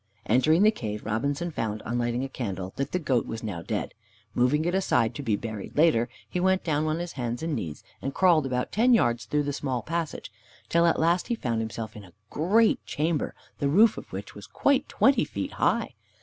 Entering the cave, Robinson found, on lighting a candle, that the goat was now dead. Moving it aside, to be buried later, he went down on his hands and knees, and crawled about ten yards through the small passage, till at last he found himself in a great chamber, the roof of which was quite twenty feet high.